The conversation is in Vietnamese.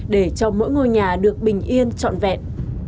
để cho mỗi ngôi nhà được bình yên trọn vẹn